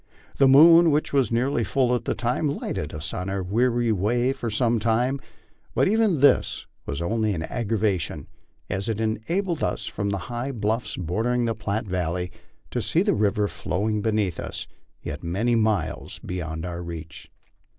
The moon, which waa nearly full at the time, lighted us on our weary way for some time; but even this was only an aggravation, as it enabled us from the high bluffs bordering the Platte valley to see the river flowing beneath us, yet many miles beyond our reach.